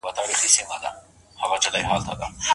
ستاسو تخلص ولي ستاسو دپاره مهم دی؟